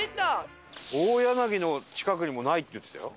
大柳の近くにもないって言ってたよ。